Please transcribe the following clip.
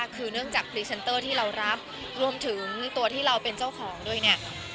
คือเนื่องจากพรีเซนเตอร์ที่เรารับรวมถึงตัวที่เราเป็นเจ้าของด้วยเนี่ย